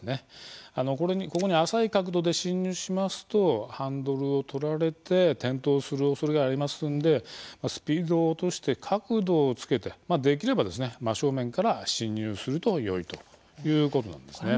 ここに浅い角度で進入しますとハンドルを取られて転倒するおそれがありますんでスピードを落として角度をつけてできれば真正面から進入するとよいということなんですね。